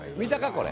これ。